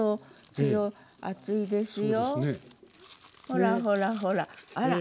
ほらほらほら。